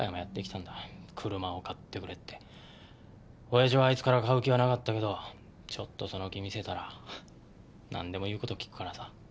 親父はあいつから買う気はなかったけどちょっとその気見せたらなんでも言う事を聞くからさ。